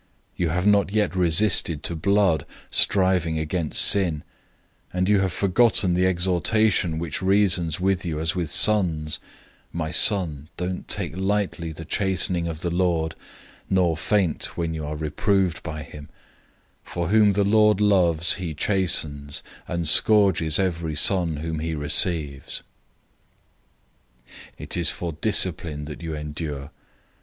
012:004 You have not yet resisted to blood, striving against sin; 012:005 and you have forgotten the exhortation which reasons with you as with children, "My son, don't take lightly the chastening of the Lord, nor faint when you are reproved by him; 012:006 For whom the Lord loves, he chastens, and scourges every son whom he receives."{Proverbs 3:11 12} 012:007 It is for discipline that you endure.